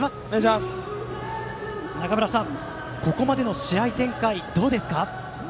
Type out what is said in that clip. なかむらさん、ここまでの試合展開どうですか？